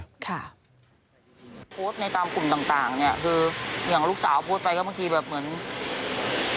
โพสต์ในตามกลุ่มต่างต่างเนี่ยคืออย่างลูกสาวโพสต์ไปก็บางทีแบบเหมือน